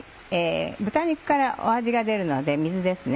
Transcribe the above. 豚肉から味が出るので水ですね